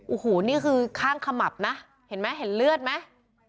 โอ้โหนี่คือข้างขมับนะเห็นไหมเห็นเลือดไหม